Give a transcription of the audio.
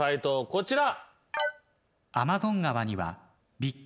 こちら。